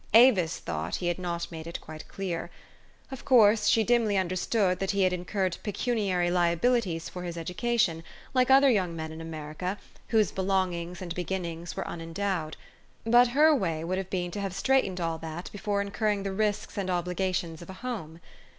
Avis thought he had not made it quite clear. Of course she dimly understood that he had incurred pecuniary liabilities for his education, like 258 THE STORY OF AVIS. other young men in America, whose belongings and beginnings were unendowed.. But her way would have been to have straightened all that before incur ring the risks and obligations of a home.